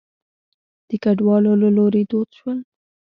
د کډوالو له لوري دود شول.